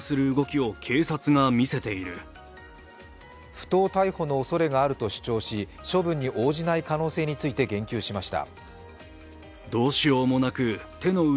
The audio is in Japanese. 不当逮捕のおそれがあると主張し処分に応じない可能性について言及しました。